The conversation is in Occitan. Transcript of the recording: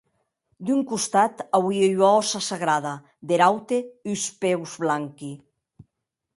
D’un costat auie ua hòssa sagrada; der aute uns peus blanqui.